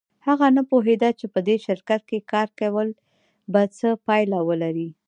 هغه نه پوهېده چې په دې شرکت کې کار کول به څه پایله ولري